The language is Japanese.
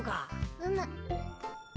うむ。